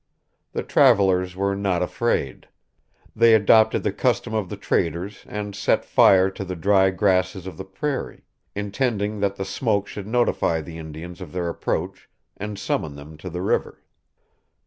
The travelers were not afraid. They adopted the custom of the traders and set fire to the dry grasses of the prairie, intending that the smoke should notify the Indians of their approach and summon them to the river.